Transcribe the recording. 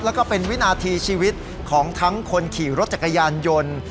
แล้วก็เป็นวินาทีชีวิตของทั้งคนขี่รถจักรยานยนต์